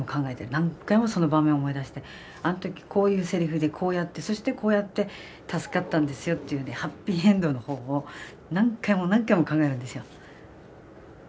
何回もその場面を思い出してあの時こういうセリフでこうやってそしてこうやって助かったんですよっていうのでハッピーエンドの方法を何回も何回も考えるんですよ。